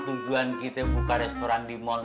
tujuan kita buka restoran di mall